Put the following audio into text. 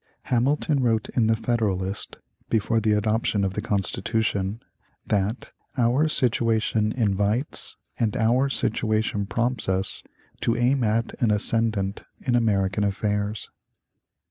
Hamilton wrote in "The Federalist," before the adoption of the Constitution, that "our situation invites and our situation prompts us to aim at an ascendant in American affairs."